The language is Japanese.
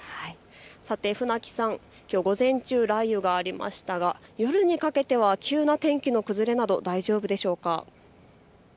さて船木さん、きょう午前中雷雨がありましたが夜にかけては急な天気の崩れなど大丈夫でしょうか。